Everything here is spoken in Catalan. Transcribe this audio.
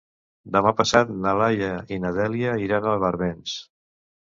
Demà passat na Laia i na Dèlia iran a Barbens.